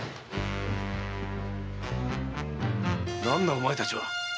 何だお前たちは？